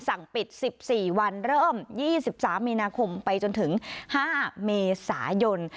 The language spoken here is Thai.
สั่งปิดซิบสี่วันเริ่มยี่สิบสามมีนาคมไปจนถึงห้าเมษายน